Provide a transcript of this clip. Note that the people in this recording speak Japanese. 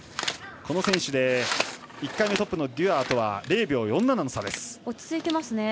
この選手１回目トップのデュアーとは０秒４７の差です。